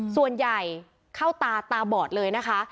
ส่วนใหญ่เข้าตาตาบอดเลยนะคะ